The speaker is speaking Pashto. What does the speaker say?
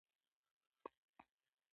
ایا ستاسو راپور به کره نه وي؟